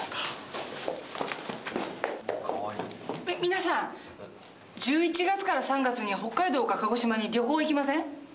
み皆さん１１月から３月に北海道か鹿児島に旅行行きません？